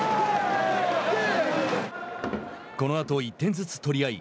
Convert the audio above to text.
このあと、１点ずつ取り合い